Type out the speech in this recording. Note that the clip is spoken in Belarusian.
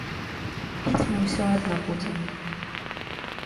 Піць мы ўсё адно будзем.